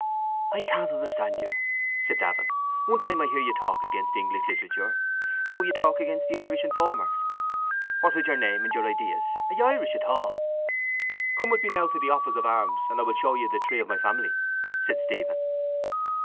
—I can't understand you, said Davin. One time I hear you talk against English literature. Now you talk against the Irish informers. What with your name and your ideas ... Are you Irish at all? —Come with me now to the office of arms and I will show you the tree of my family, said Stephen.